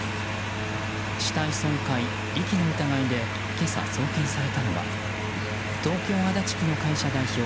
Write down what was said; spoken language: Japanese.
死体損壊・遺棄の疑いで今朝、送検されたのは東京・足立区の会社代表